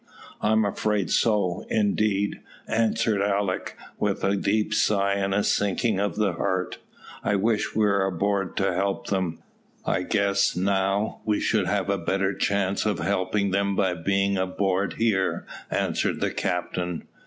"I am afraid so, indeed," answered Alick, with a deep sigh and a sinking of the heart; "I wish we were aboard to help them." "I guess, now, we should have a better chance of helping them by being aboard here," answered the captain.